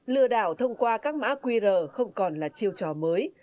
lừa đảo thông qua các mã qr không còn là chiêu trò mới